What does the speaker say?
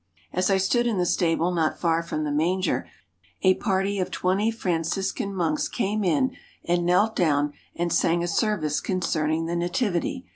As I stood in the stable not far from the manger, a party of twenty Franciscan monks came in and knelt down and sang a service concerning the Nativity.